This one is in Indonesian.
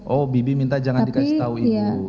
oh bibi minta jangan dikasih tahu ibu